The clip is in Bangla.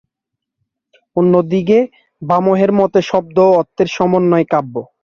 অন্যদিকে ভামহের মতে শব্দ ও অর্থের সমন্বয়ই কাব্য।